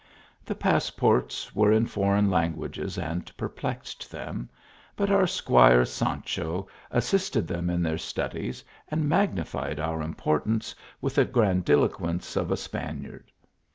The passports were in foreign languages and perplexed them, but our .Squire Sancho assisted them in their studies, and magnified our importance with the grandiloquence of a Spaniard.